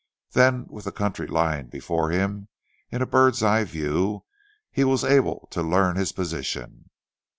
Then with the country lying before him in a bird's eye view he was able to learn his position.